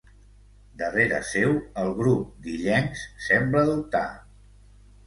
Darrere seu, el grup d'illencs sembla dubtar.